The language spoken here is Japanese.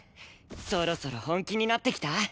そろそろ本気になってきた？